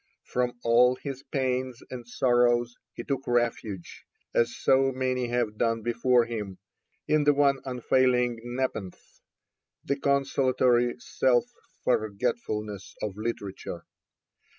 From all his pains and sorrows he took refuge, as so many have done before him, in the one unfailing Nepenthe, the consolatory self forgetfulness of literature.